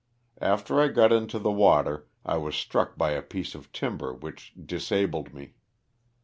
After I got into the water I was struck by a piece of timber which disabled me.